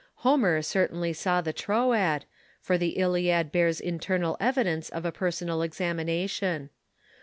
Homer certainly saw the Troad, for the Iliad bears internal evidence of a personal examination.